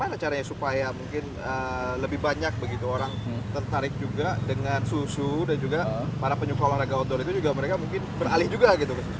bagaimana caranya supaya mungkin lebih banyak begitu orang tertarik juga dengan susu dan juga para penyuka olahraga outdoor itu juga mereka mungkin beralih juga gitu